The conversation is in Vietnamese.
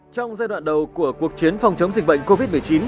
trong giai đoạn đầu của cuộc chiến phòng chống dịch bệnh covid một mươi chín